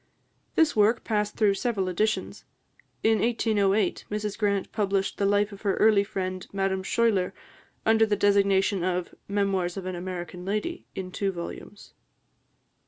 This work passed through several editions. In 1808, Mrs Grant published the life of her early friend, Madame Schuyler, under the designation of "Memoirs of an American Lady," in two volumes.